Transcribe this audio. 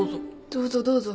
どうぞどうぞ。